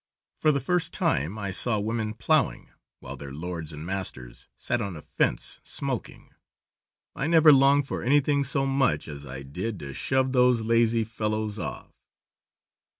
For the first time I saw women plowing while their lords and masters sat on a fence smoking. I never longed for anything so much as I did to shove those lazy fellows off.